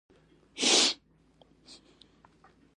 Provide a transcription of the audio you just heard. تودې خبرې اړیکې سوځوي.